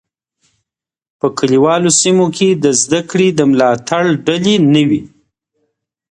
په کلیوالو سیمو کي د زده کړې د ملاتړ ډلې نه وي.